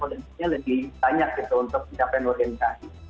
potensinya lebih banyak gitu untuk capaian organisasi